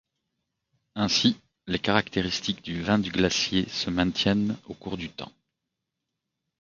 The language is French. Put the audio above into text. Ainsi, les caractéristiques du Vin du Glacier se maintiennent au cours du temps.